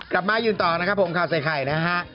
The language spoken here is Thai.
มายืนต่อนะครับผมข่าวใส่ไข่นะฮะ